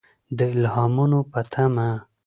د الهامونو په تمه.